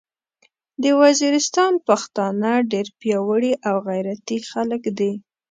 د ویزیریستان پختانه ډیر پیاوړي او غیرتي خلک دې